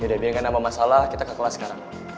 yaudah biarkan nambah masalah kita ke kelas sekarang